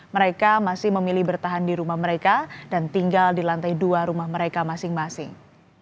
mereka masih memilih bertahan di rumah mereka dan tinggal di lantai dua rumah mereka masing masing